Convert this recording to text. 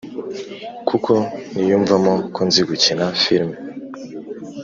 kuko niyumvamo ko nzi gukina firime,